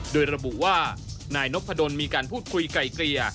โดยระบุว่านายนพดลมีการพูดคุยไกลเกลี่ย